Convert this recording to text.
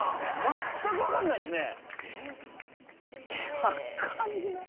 全く分かんないっすね。